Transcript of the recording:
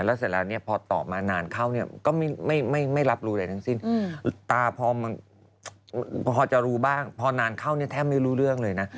แล้วเสร็จแล้วเนี่ยพอตอบมานานเข้าเนี่ยก็ไม่รับรู้อะไรทั้งสิ้นตาพอจะรู้บ้างพอนานเข้าเนี่ยแทบไม่รู้เรื่องเลยนะ